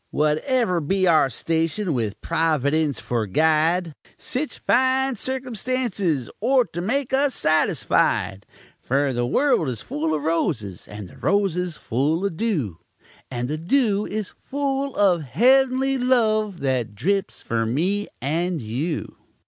Whatever be our station, with Providence fer guide, Sich fine circumstances ort to make us satisfied; Fer the world is full of roses, and the roses full of dew, And the dew is full of heavenly love that drips fer me and you.